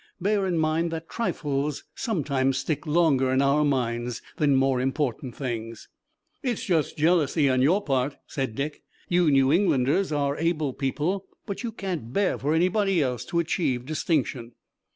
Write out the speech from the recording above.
"Bear in mind that trifles sometimes stick longer in our minds than more important things." "It's just jealousy on your part," said Dick. "You New Englanders are able people, but you can't bear for anybody else to achieve distinction."